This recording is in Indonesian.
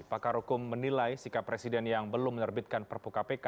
pakar hukum menilai sikap presiden yang belum menerbitkan perpu kpk